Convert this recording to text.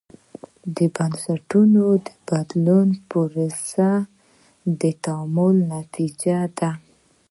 د بنسټونو د بدلون پروسه د تعامل نتیجه ده.